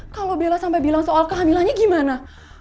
kalau bella sampai bilang soal kehamilannya gimana